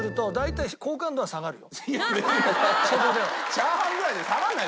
チャーハンぐらいで下がらないですよ